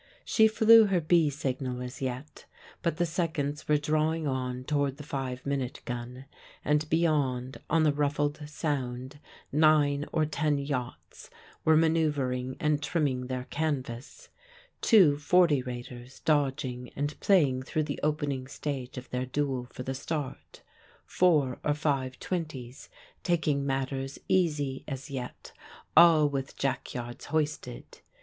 She flew her B signal as yet, but the seconds were drawing on toward the five minute gun; and beyond, on the ruffled Sound, nine or ten yachts were manoeuvring and trimming their canvas; two forty raters dodging and playing through the opening stage of their duel for the start; four or five twenties taking matters easy as yet; all with jackyards hoisted.